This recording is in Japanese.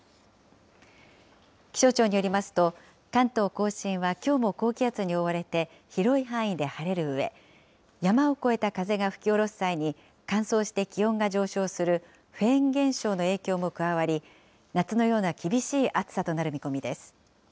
気象庁によりますと、関東甲信は、きょうも高気圧に覆われて、広い範囲で晴れるうえ、山を越えた風が吹き下ろす際に乾燥して気温が上昇するフェーン現象の影響も加わり、夏のような厳しい暑さとなる見込みです。